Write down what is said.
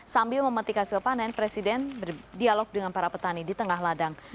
sambil memetik hasil panen presiden berdialog dengan para petani di tengah ladang